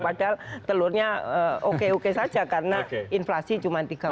padahal telurnya oke oke saja karena inflasi cuma rp tiga dua ratus